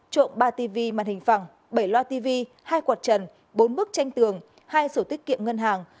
trộm ba tv màn hình phẳng bảy loa tv hai quạt trần bốn bức tranh tường hai sổ tiết kiệm ngân hàng